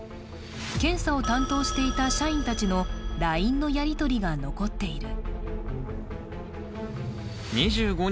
検査を担当していた社員たちのＬＩＮＥのやりとりが残っている。